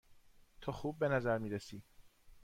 تو خوب به نظر می رسی.